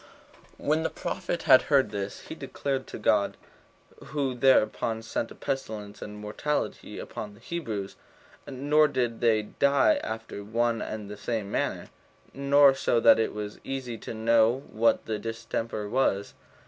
3. When the prophet had heard this, he declared it to God; who thereupon sent a pestilence and a mortality upon the Hebrews; nor did they die after one and the same manner, nor so that it was easy to know what the distemper was.